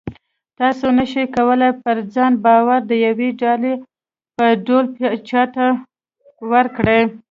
تاسې نه شئ کولی پر ځان باور د یوې ډالۍ په ډول چاته ورکړئ